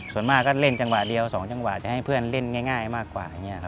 ส่วนมากเล่นจังหวะเดียว๒จังหวะจะให้เพื่อนเล่นง่ายมากกว่า